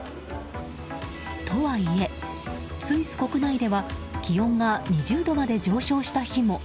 とはいえ、スイス国内では気温が２０度まで上昇した日も。